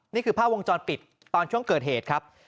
นี่คือภาพวงจรปิดตอนช่วงเกิดเหตุครับ